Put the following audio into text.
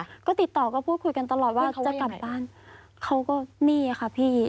ก็ติดต่อก็พูดคุยกันตลอดว่าจะกลับบ้านเขาก็นี่ค่ะพี่